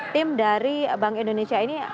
tim dari bank indonesia ini